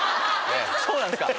そうなんですか？